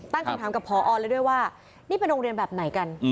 ตั้งคำถามกับพอแล้วด้วยว่านี่เป็นโรงเรียนแบบไหนกัน